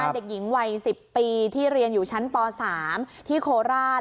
เด็กหญิงวัย๑๐ปีที่เรียนอยู่ชั้นป๓ที่โคราช